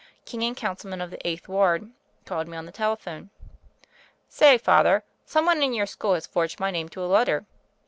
King and Councilman of the Eighth Ward, called me on the telephone. "Say, Father, some one in your school has forged my name to a letter."